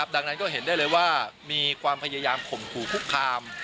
ดังนั้นก็เห็นได้เลยว่ามีความพยายามข่มขู่คุกคาม